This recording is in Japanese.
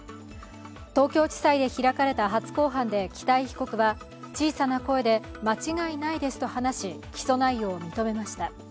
東京地裁で開かれた初公判で北井被告は小さな声で間違いないですと話し、起訴内容を認めました。